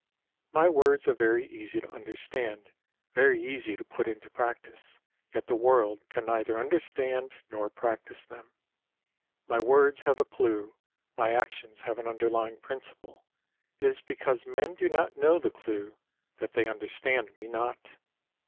My words are very easy to understand, very easy to put into practice ; yet the world can neither understand nor practise them. My words have a clue, my actions have an underlying principle. It is because men do not know the clue that they understand me not.